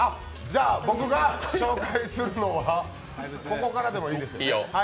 僕が紹介するのはここからでもいいですよね。